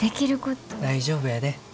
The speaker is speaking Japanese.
大丈夫やで。